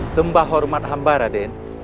sembah hormat hamba raden